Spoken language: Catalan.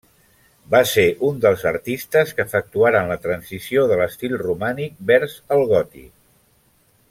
Va ser un dels artistes que efectuaren la transició de l'estil romànic vers el gòtic.